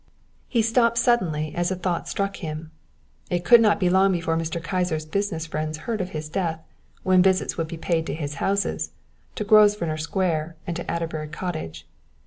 He stopped suddenly as a thought struck him. It could not be long before Mr. Kyser's business friends heard of his death, when visits would be paid to his houses, to Grosvenor Square and to Adderbury Cottage.